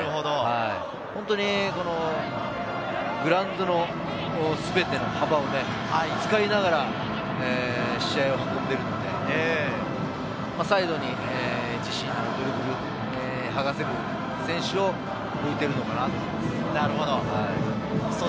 本当にグラウンドの全ての幅を使いながら、試合を運んでいるので、サイドにはがせる選手を置いているのかなと思います。